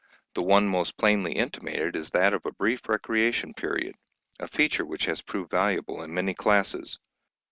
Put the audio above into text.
The one most plainly intimated is that of a brief recreation period, a feature which has proved valuable in many classes.